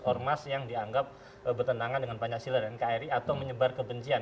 ormas yang dianggap bertentangan dengan pancasila dan kri atau menyebar kebencian